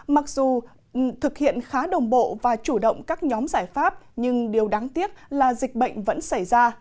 mặc dù thực hiện khá đồng bộ và chủ động các nhóm giải pháp nhưng điều đáng tiếc là dịch bệnh vẫn xảy ra